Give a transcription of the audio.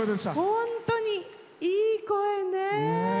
本当に、いい声ね。